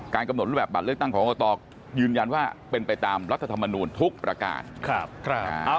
กำหนดรูปแบบบัตรเลือกตั้งของกรกตยืนยันว่าเป็นไปตามรัฐธรรมนูลทุกประการ